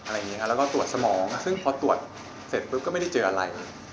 แล้วก็ตรวจสมองซึ่งพอตรวจเสร็จปุ๊บก็ไม่ได้เจออะไร